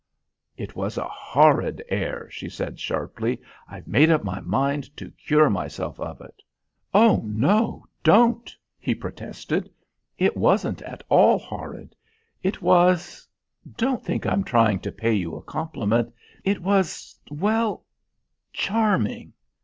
"It was a horrid air," she said sharply. "I've made up my mind to cure myself of it." "Oh! no, don't," he protested. "It wasn't at all horrid. It was don't think I'm trying to pay you a compliment it was, well, charming.